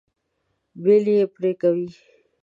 بیل به یې پرې کوئ.